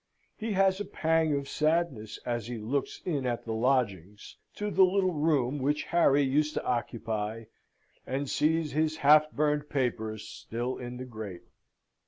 He has a pang of sadness, as he looks in at the lodgings to the little room which Harry used to occupy, and sees his half burned papers still in the grate.